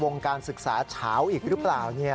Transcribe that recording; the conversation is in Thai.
การศึกษาเฉาอีกหรือเปล่า